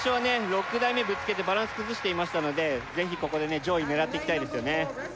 ６台目ぶつけてバランス崩していましたのでぜひここでね上位狙っていきたいですよね